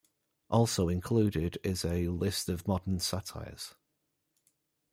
Also included is a list of modern satires.